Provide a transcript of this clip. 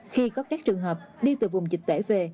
khi có các trường hợp đi từ vùng dịch tễ về